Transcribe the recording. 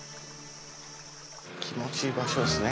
気持ちいい場所っすね。